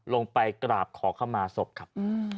ลงไปกราบขอเข้ามาศพครับ